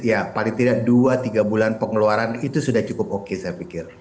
ya paling tidak dua tiga bulan pengeluaran itu sudah cukup oke saya pikir